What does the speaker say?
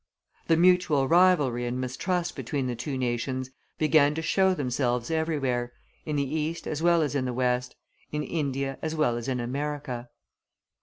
The mutual rivalry and mistrust between the two nations began to show themselves everywhere, in the East as well as in the West, in India as well as in America.